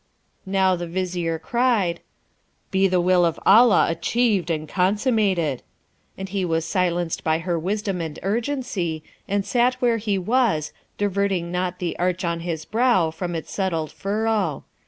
Now, the Vizier cried, 'Be the will of Allah achieved and consummated!' and he was silenced by her wisdom and urgency, and sat where he was, diverting not the arch on his brow from its settled furrow.